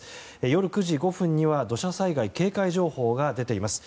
夜９時５分には土砂災害警戒情報が出ています。